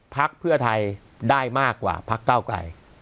พักเพื่อไทยได้มากกว่าพักเก้าไกร